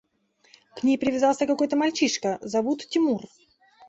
– К ней привязался какой-то мальчишка, зовут Тимур.